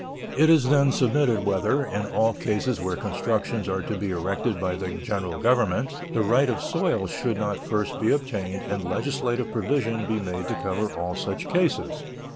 It is, then, submitted whether, in all cases where constructions are to be erected by the General Government, the right of soil should not first be obtained and legislative provision be made to cover all such cases.